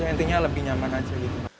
yang intinya lebih nyaman saja